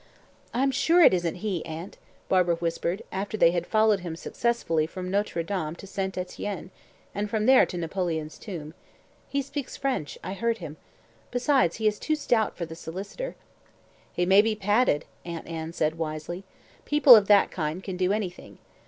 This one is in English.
"I'm sure it isn't he, aunt," Barbara whispered, after they had followed him successfully from Notre Dame to St. Etienne, and from there to Napoleon's Tomb. "He speaks French I heard him. Besides, he is too stout for the solicitor." "He may be padded," Aunt Anne said wisely. "People of that kind can do anything.